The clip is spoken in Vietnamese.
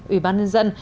ủy ban nhân dân